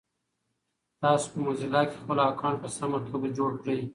تاسو په موزیلا کې خپل اکاونټ په سمه توګه جوړ کړی؟